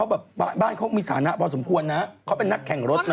แบบบ้านเขามีฐานะพอสมควรนะเขาเป็นนักแข่งรถนะ